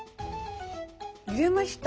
入れました。